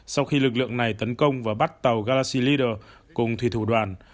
sau khi lực lượng này tấn công và bắt tàu galaxy leader cùng thủy thủ đoàn